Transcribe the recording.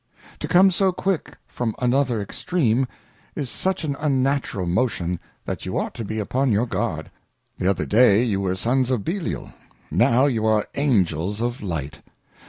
To come so quick from another Extream, is such an un natural Motion, that you ought to be upon your Guard ; the other day you were Sons of Belial : Now, you are Angels of Light.